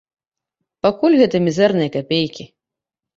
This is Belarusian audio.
Пакуль гэта мізэрныя капейкі.